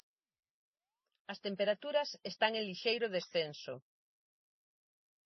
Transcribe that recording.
As temperaturas están en lixeiro descenso.